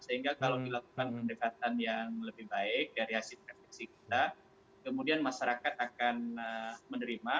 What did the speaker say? sehingga kalau dilakukan pendekatan yang lebih baik dari hasil refleksi kita kemudian masyarakat akan menerima